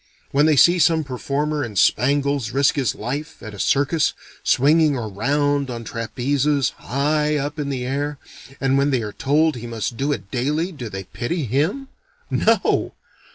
When they see some performer in spangles risk his life, at a circus, swinging around on trapezes, high up in the air, and when they are told he must do it daily, do they pity him? No!